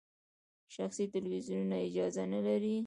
شخصي تلویزیونونه اجازه نلري.